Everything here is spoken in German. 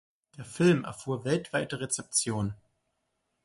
Der Film erfuhr weltweite Rezeption.